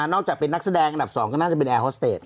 จากเป็นนักแสดงอันดับ๒ก็น่าจะเป็นแอร์ฮอสเตจ